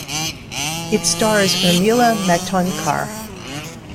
It stars Urmila Matondkar.